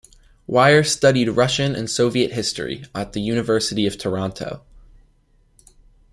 Weir studied Russian and Soviet history at the University of Toronto.